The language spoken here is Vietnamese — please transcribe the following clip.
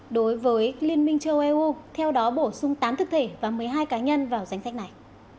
đối với liên minh châu âu eu theo đó bổ sung tám thức thể và một mươi hai cá nhân vào danh sách này